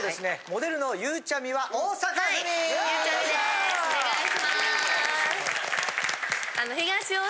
モデルのゆうちゃみは大阪府民。